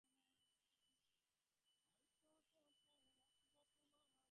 সে জালবদ্ধ বাঘের মতো গুমরাইতে লাগিল।